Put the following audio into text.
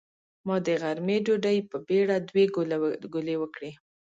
ما د غرمۍ ډوډۍ په بېړه دوې ګولې وکړې.